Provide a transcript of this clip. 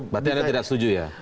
pak agus setuju ya